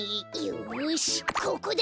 よしここだ！